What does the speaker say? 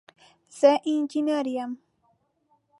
زه انجينر يم.